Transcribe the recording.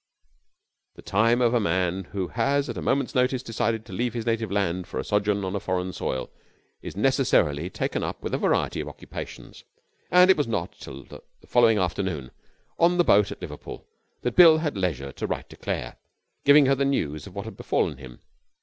The time of a man who has at a moment's notice decided to leave his native land for a sojourn on foreign soil is necessarily taken up with a variety of occupations; and it was not till the following afternoon, on the boat at Liverpool, that Bill had leisure to write to Claire, giving her the news of what had befallen him.